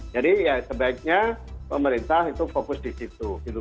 jadi ya sebaiknya pemerintah itu fokus di situ